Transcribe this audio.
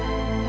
aku mau pergi